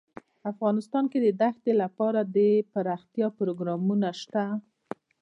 افغانستان کې د دښتې لپاره دپرمختیا پروګرامونه شته.